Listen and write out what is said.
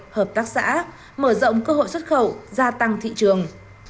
hợp tác xã mở rộng cơ hội xuất khẩu gia tăng thị trường